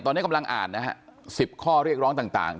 ตอนนี้กำลังอ่านนะฮะ๑๐ข้อเรียกร้องต่าง